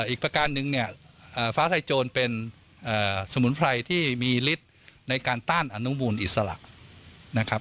อีกประการหนึ่งเนี่ยฟ้าไทยโจรเป็นสมุนไพรที่มีฤทธิ์ในการต้านอนุบูลอิสระนะครับ